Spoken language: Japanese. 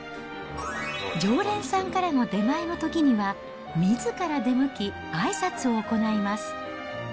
常連さんからの出前のときには、みずから出向き、あいさつを行います。